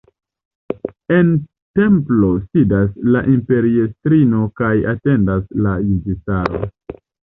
En templo sidas la imperiestrino kaj atendas la juĝistaro.